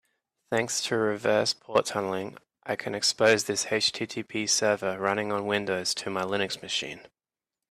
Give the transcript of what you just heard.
Thanks to reverse port tunneling, I can expose this HTTP server running on Windows to my Linux machine.